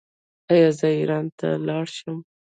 ایا زه ایران ته لاړ شم؟